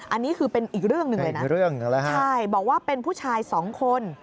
อันนี้คือเป็นอีกเรื่องหนึ่งเลยนะใช่บอกว่าเป็นผู้ชายสองคน